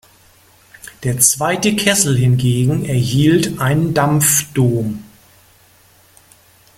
Der zweite Kessel hingegen erhielt einen Dampfdom.